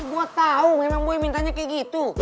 gua tau emang boy mintanya kayak gitu